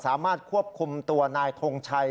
สามารถควบคุมตัวนายทงชัย